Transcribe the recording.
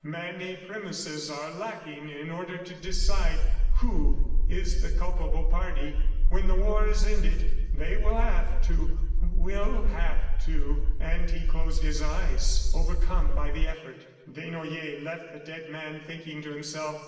... Many premises are lacking in order to decide who is the culpable party. ... When the war is ended they will have to ... will have to ..." And he closed his eyes overcome by the effort. Desnoyers left the dead man, thinking to himself.